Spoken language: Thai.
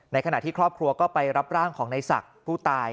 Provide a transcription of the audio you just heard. ขณะที่ครอบครัวก็ไปรับร่างของในศักดิ์ผู้ตาย